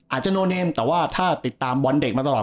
อาจจะโนเนมแต่ว่าถ้าติดตามบอลเด็กมาตลอด